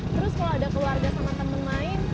terus kalau ada keluarga sama temen main